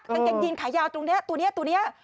กางเกงยีนขายาวตรงนี้ตัวนี้ตัวนี้